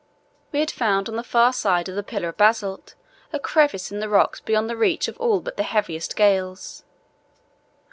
We had found on the far side of the pillar of basalt a crevice in the rocks beyond the reach of all but the heaviest gales.